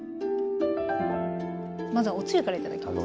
まずはおつゆから頂きます。